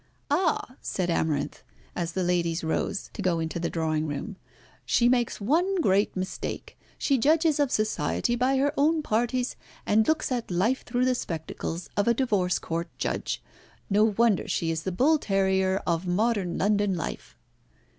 "Ah!" said Amarinth, as the ladies rose to go into the drawing room; "she makes one great mistake. She judges of Society by her own parties, and looks at life through the spectacles of a divorce court judge. No wonder she is the bull terrier of modern London life."